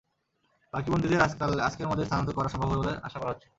বাকি বন্দীদের আজকের মধ্যে স্থানান্তর করা সম্ভব হবে বলে আশা করা হচ্ছে।